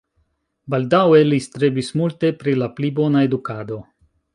Baldaŭe li strebis multe pri la pli bona edukado.